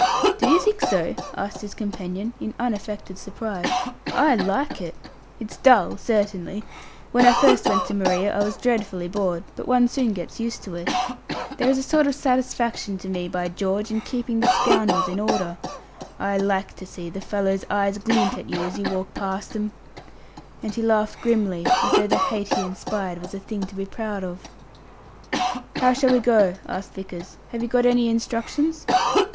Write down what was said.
"Do you think so?" asked his companion, in unaffected surprise. "I like it. It's dull, certainly. When I first went to Maria I was dreadfully bored, but one soon gets used to it. There is a sort of satisfaction to me, by George, in keeping the scoundrels in order. I like to see the fellows' eyes glint at you as you walk past 'em. Gad, they'd tear me to pieces, if they dared, some of 'em!" and he laughed grimly, as though the hate he inspired was a thing to be proud of. "How shall we go?" asked Vickers. "Have you got any instructions?"